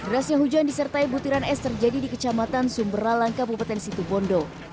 rasnya hujan disertai butiran es terjadi di kecamatan sumber malang kabupaten situbondo